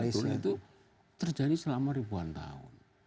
betul itu terjadi selama ribuan tahun